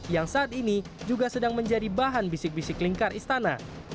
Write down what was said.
yang saat ini juga sedang menjadi bahan bisik bisik lingkar istana